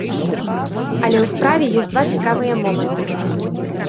Але ў справе ёсць два цікавыя моманты.